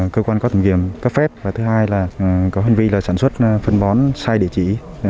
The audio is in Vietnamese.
cơ quan có tổng nghiệp có phép và thứ hai là có hành vi là sản xuất phân bón sai địa chỉ